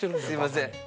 すみません。